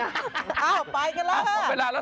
ไปกันแล้วฮะสวัสดีค่ะสวัสดีค่ะพบกันเวลาแล้ว